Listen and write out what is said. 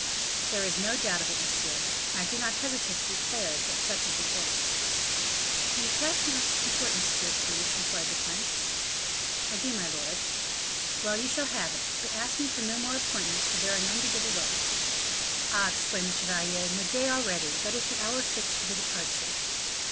"There is no doubt of it, monsieur; and I do not hesitate to declare that such is the case." "Do you attach much importance to it, Guiche?" inquired the prince. "I do, my lord." "Well, you shall have it; but ask me for no more appointments, for there are none to give away." "Ah!" exclaimed the chevalier, "midday already, that is the hour fixed for the departure."